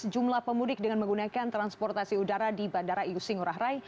jumlah pemudik dengan menggunakan transportasi udara di bandara igusi ngurah rai